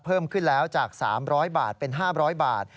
เพิ่มขึ้นแล้วจาก๓๐๐บาทเป็น๕๐๐บาท